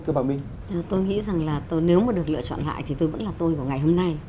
tôi nghĩ rằng là nếu mà được lựa chọn lại thì tôi vẫn là tôi của ngày hôm nay